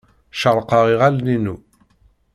Cerrqeɣ iɣallen-inu.